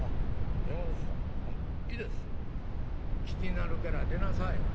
「気になるから出なさい」。